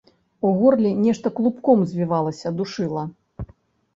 У горле нешта клубком звівалася, душыла.